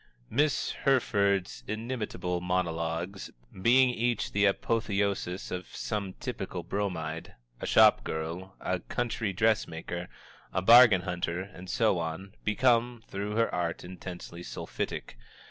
Miss Herford's inimitable monologues, being each the apotheosis of some typical Bromide a shopgirl, a country dressmaker, a bargain hunter and so on become, through her art, intensely sulphitic.